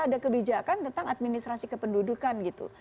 ada kebijakan tentang administrasi kependudukan gitu